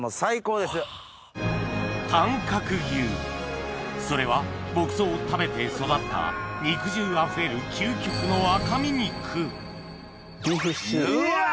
短角牛それは牧草を食べて育った肉汁あふれるうわ！